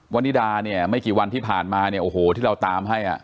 วันนี้ดาเนี่ยไม่กี่วันที่ผ่านมาเนี่ยโอ้โหที่เราตามให้อ่ะ